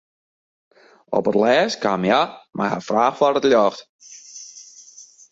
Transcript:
Op 't lêst kaam hja mei har fraach foar it ljocht.